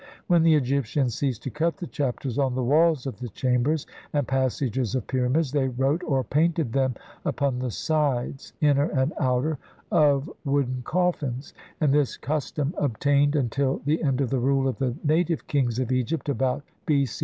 When the Egyptians ceased to cut the Chapters on the walls of the chambers and passages of pyramids, they wrote or painted them upon the sides, inner and outer, of wooden coffins, and this custom obtained until the end of the rule of the native kings of Egypt, about B. C.